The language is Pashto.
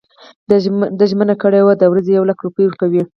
ده ژمنه کړې چې د ورځي یو لک روپۍ ورکوي.